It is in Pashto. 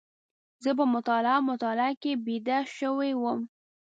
زه په مطالعه مطالعه کې بيده شوی وم.